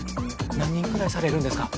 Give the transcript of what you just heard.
何人くらいされるんですか？